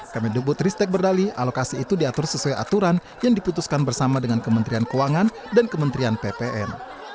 kemendikbud ristek berdali alokasi itu diatur sesuai aturan yang diputuskan bersama dengan kementerian keuangan dan kementerian ppn